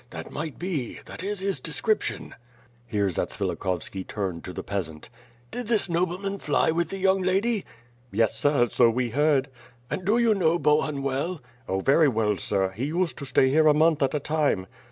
That might be. That is his description." Here Zatsvilikhovski turned to the peasant. "Did this nobleman fly with the young lady?" "Yes, sir, so we heard." "And do you know Bohun well?" "Oh, very well, sir; he used to stay here a month at a time."